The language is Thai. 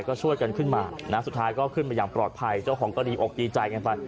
ก็ช่วยกันขึ้นมานะสุดท้ายก็ขึ้นมาอย่างปลอดภัยเจ้าของก็ดีอกดีใจกันไป